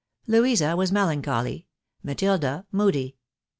Louisa was melancholy — Matilda, moody.